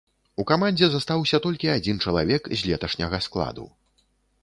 У камандзе застаўся толькі адзін чалавек з леташняга складу.